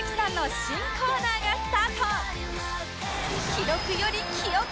記録より記憶